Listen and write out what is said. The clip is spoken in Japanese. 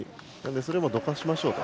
それもどかしましょうと。